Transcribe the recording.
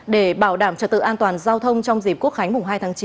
để bảo đảm trật tự an toàn giao thông trong dịp quốc khánh mùng hai tháng chín